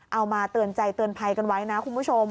เอามาเตือนใจเตือนภัยกันไว้นะคุณผู้ชม